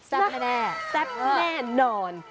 แน่แซ่บแน่นอน